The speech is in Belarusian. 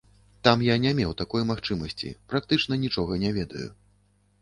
Там я не меў такой магчымасці, практычна нічога не ведаю.